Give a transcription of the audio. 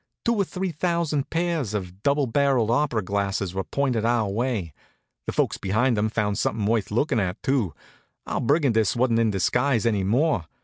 Two or three thousand pairs of double barrelled opera glasses were pointed our way. The folks behind 'em found something worth lookin' at, too. Our Brigandess wasn't in disguise any more.